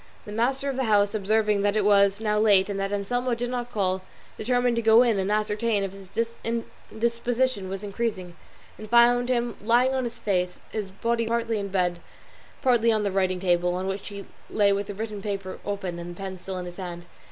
The master of the house observing that it was now late and that Anselmo did not call, determined to go in and ascertain if his indisposition was increasing, and found him lying on his face, his body partly in the bed, partly on the writing table, on which he lay with the written paper open and the pen still in his hand.